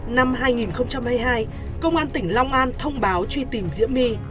năm hai nghìn hai mươi hai công an tỉnh long an thông báo truy tìm diễm my